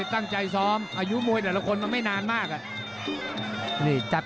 ตั้งใจซ้อมอายุมวยแต่ละคนมันไม่นานมากอ่ะ